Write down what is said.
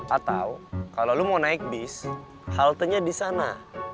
atau kalau lo mau naik bis haltenya di sana